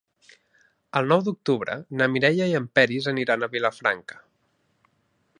El nou d'octubre na Mireia i en Peris aniran a Vilafranca.